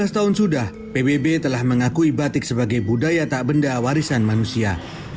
lima belas tahun sudah pbb telah mengakui batik sebagai budaya tak benda warisan manusia